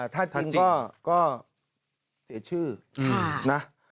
ถ้าจริงก็เสียชื่อนะ